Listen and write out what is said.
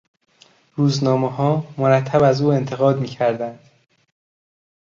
روزنامهها مرتب از او انتقاد میکردند.